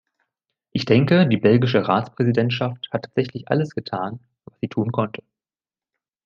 Ich denke, die belgische Ratspräsidentschaft hat tatsächlich alles getan, was sie tun konnte.